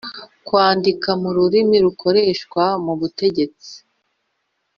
kwandika mu rurimi rukoreshwa mu butegetsi